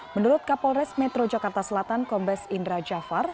menurut kapolres metro jakarta selatan kombes indra jafar